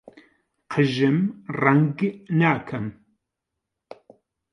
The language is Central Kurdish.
قژم ڕەنگ ناکەم.